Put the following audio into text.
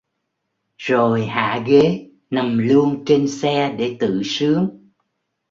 rồi hạ ghế nằm luôn trên xe để tự sướng